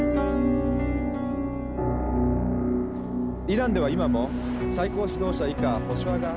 イランでは今も最高指導者以下保守派が。